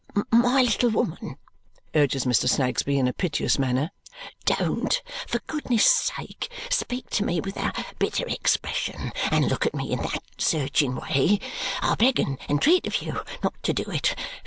"My little woman," urges Mr. Snagsby in a piteous manner, "don't for goodness' sake speak to me with that bitter expression and look at me in that searching way! I beg and entreat of you not to do it.